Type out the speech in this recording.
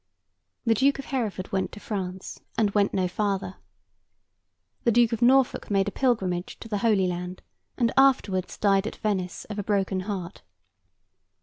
The Duke of Hereford went to France, and went no farther. The Duke of Norfolk made a pilgrimage to the Holy Land, and afterwards died at Venice of a broken heart.